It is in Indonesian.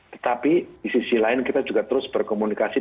tetapi di sisi lain kita juga terus berkomunikasi